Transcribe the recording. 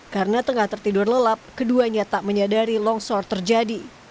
karena tengah tertidur lelap keduanya tak menyadari longsor terjadi